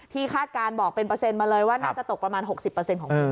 คาดการณ์บอกเป็นเปอร์เซ็นต์มาเลยว่าน่าจะตกประมาณ๖๐ของพื้นที่